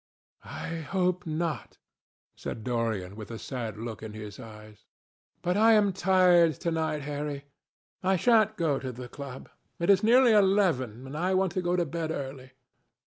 "I hope not," said Dorian with a sad look in his eyes. "But I am tired to night, Harry. I shan't go to the club. It is nearly eleven, and I want to go to bed early."